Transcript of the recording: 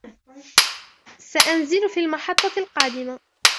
سأنزل في المحطة القادمة.